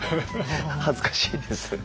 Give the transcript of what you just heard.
恥ずかしいです。